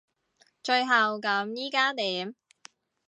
最後咁依家點？